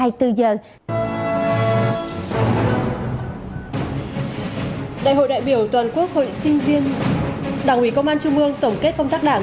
đại hội đại biểu toàn quốc hội sinh viên đảng ủy công an trung ương tổng kết công tác đảng